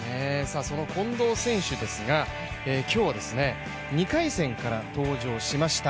その近藤選手ですが今日は２回戦から登場しました。